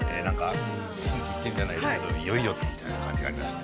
心機一転じゃないけど、いよいよみたいな感じがありました。